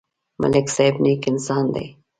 ملک صاحب نېک انسان دی.